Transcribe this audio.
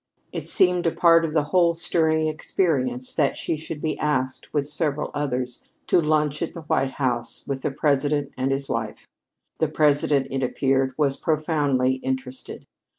It seemed a part of the whole stirring experience that she should be asked with several others to lunch at the White House with the President and his wife. The President, it appeared, was profoundly interested.